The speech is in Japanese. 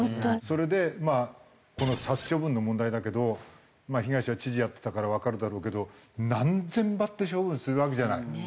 それでまあこの殺処分の問題だけど東は知事やってたからわかるだろうけど何千羽って処分するわけじゃない？